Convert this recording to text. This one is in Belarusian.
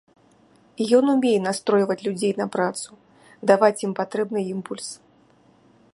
Ён умее настройваць людзей на працу, даваць ім патрэбны імпульс.